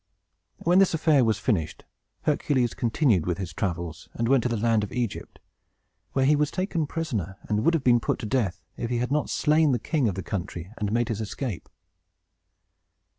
When this affair was finished, Hercules continued his travels, and went to the land of Egypt, where he was taken prisoner, and would have been put to death, if he had not slain the king of the country, and made his escape.